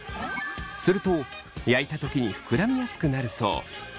すると焼いた時に膨らみやすくなるそう。